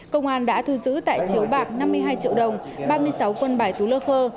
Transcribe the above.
công an đã thu giữ tại chiếu bạc năm mươi hai triệu đồng ba mươi sáu quân bài tú lơ khơ